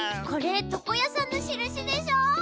これとこやさんのしるしでしょ？